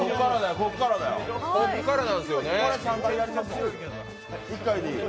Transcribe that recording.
こっからなんですよね。